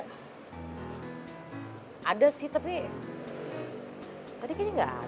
saya udah khawatir banget tante dari tadi cari kabar meli